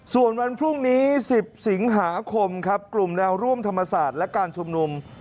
ส่วนวันพรุ่งนี้๑๐สิงหาคมครับกลุ่มแนวร่วมธรรมศาสตร์และการชุมนุม